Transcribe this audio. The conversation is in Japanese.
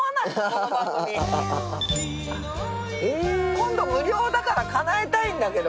今度無料だからかなえたいんだけど。